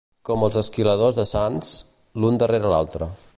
Com els esquiladors de Sants: l'un darrere l'altre.